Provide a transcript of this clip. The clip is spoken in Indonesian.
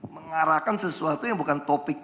mengarahkan sesuatu yang bukan topik